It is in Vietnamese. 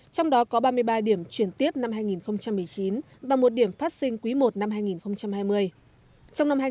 trong đó có ba mươi ba điểm chuyển tiếp năm hai nghìn một mươi chín và một điểm phát sinh quý i năm hai nghìn hai mươi